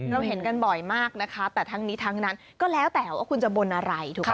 เราเห็นกันบ่อยมากนะคะแต่ทั้งนี้ทั้งนั้นก็แล้วแต่ว่าคุณจะบนอะไรถูกไหม